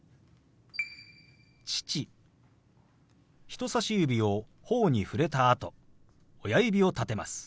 人さし指をほおに触れたあと親指を立てます。